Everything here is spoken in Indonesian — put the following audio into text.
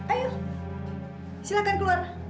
ayo silakan keluar